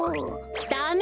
ダメ！